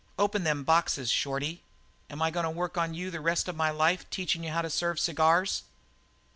Open them boxes, Shorty. Am I goin' to work on you the rest of my life teachin' you how to serve cigars?"